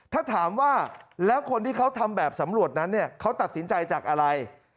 ถ้าถามว่าแล้วคนที่เขาทำแบบสำรวจนั้นเนี่ย